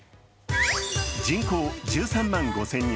人口１３万５０００人